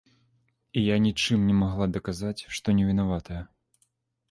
І я нічым не магла даказаць, што не вінаватая.